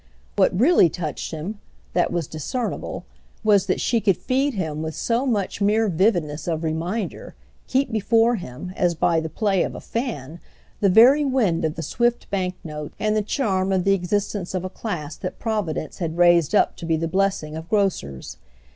What really touched him—that was discernible—was that she could feed him with so much mere vividness of reminder, keep before him, as by the play of a fan, the very wind of the swift bank notes and the charm of the existence of a class that Providence had raised up to be the blessing of grocers.